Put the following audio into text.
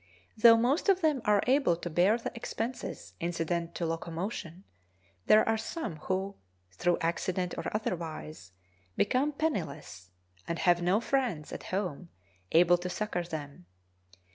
Though most of them are able to bear the expenses incident to locomotion, there are some who, through accident or otherwise, become penniless, and have no friends at home able to succor them.